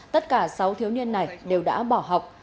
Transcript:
tất cả sáu thiếu niên này đều đã bỏ học